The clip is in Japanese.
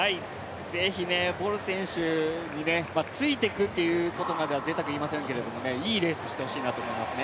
ぜひ、ボル選手についていくということまではぜいたく言いませんけど、いいレースしてほしいなと思いますね。